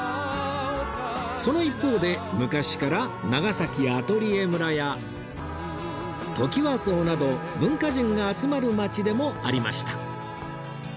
その一方で昔から長崎アトリエ村やトキワ荘など文化人が集まる街でもありました